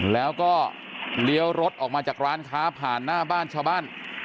แล้วก็เลี้ยวรถออกมาจากร้านค้าผ่านหน้าบ้านชาวบ้าน